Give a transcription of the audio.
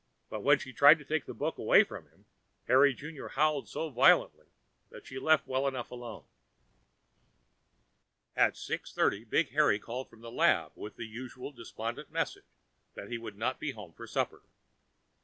But when she tried to take the book away from him, Harry Junior howled so violently that she let well enough alone. At six thirty, Big Harry called from the lab, with the usual despondent message that he would not be home for supper.